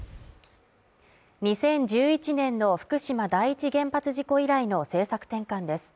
２０１１年の福島第一原発事故以来の政策転換です。